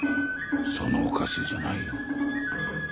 そのおかしいじゃないよ。